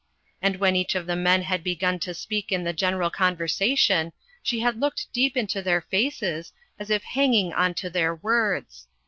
And when each of the men had begun to speak in the general conversation, she had looked deep into their faces as if hanging on to their words.